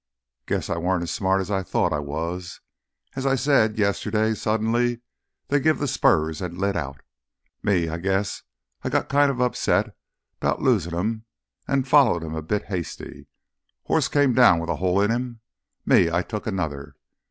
"Guess I weren't as smart as I thought I was. As I said, yesterday suddenly they give th' spurs an' lit out. Me, guess I got kinda upset 'bout losin' 'em an' followed a bit too hasty. Hoss came down with a hole in him. Me, I took another.